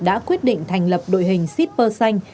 đã quyết định thành lập đội hình shipper xanh